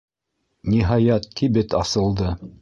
Ниһайәт, кибет асылды.